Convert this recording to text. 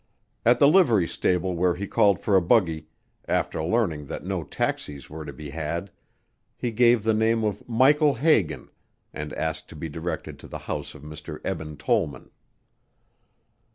At the livery stable where he called for a buggy, after learning that no taxis were to be had, he gave the name of Michael Hagan and asked to be directed to the house of Mr. Eben Tollman.